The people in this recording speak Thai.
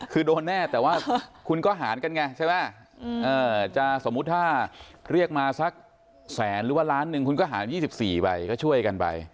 คือโดนแน่แต่ว่าคุณก็หารกันไงใช่ไหมจะสมมุติถ้าเรียกมาสักแสนหรือว่าล้านหนึ่งคุณก็หาร๒๔ไปก็ช่วยกันไป